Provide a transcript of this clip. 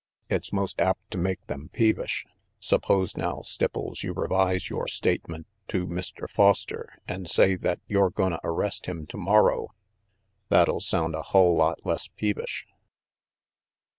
It's most apt to make them peevish. Suppose now, Stipples, you revise yore statement to Mr. Foster and say that you're gonna arrest him tomor row. That'll sound a hull lot less peevish."